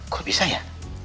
kok bisa ya